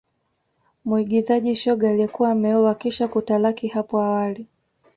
Muigizaji shoga aliyekuwa ameoa kisha kutalaki hapo awali